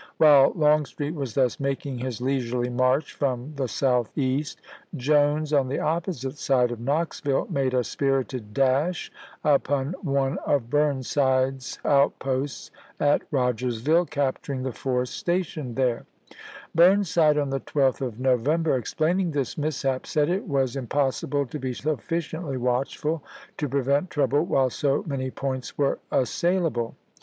While Longstreet was thus making his leisurely march from the Southeast, Jones, on the opposite side of Knoxville, made a spirited dash upon one of Burnside's outposts at Rogersville, capturing the force stationed there. Burnside, on the 12th of November, explaining this mishap, said it was ises. 172 ABKAHAM LINCOLN Badeau, " Military History of U. 8. Grant." Vol. 1., p. 473. impossible to be sufficiently watchful to prevent trouble while so many points were assailable.